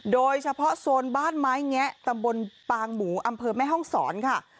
โดยเฉพาะโซนบ้านไม้แงะตำบลปางหมูอำเภอแม่ห้องศรค่ะ